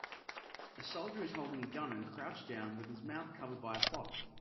A soldier is holding a gun and crouched down with is mouth covered by a cloth.